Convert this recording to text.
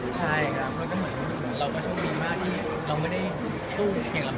ฉะนั้นแค่มีเพื่อนถ่ายอยู่ของแรองาร์ไทฟที่จะอยู่ข้างใน